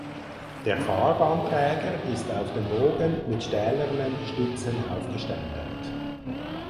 Der Fahrbahnträger ist auf dem Bogen mit stählernen Stützen aufgeständert.